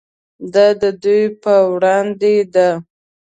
دا د دوی په وړاندې ده.